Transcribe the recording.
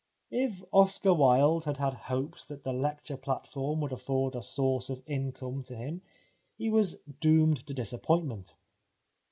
If Oscar Wilde had had hopes that the lecture platform would afford a source of income to him he was doomed to disappointment.